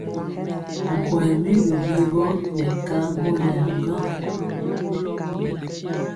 Nkɔyɛ mi wiwi gɔ nɛ kambɔ nɛ a gaŋ.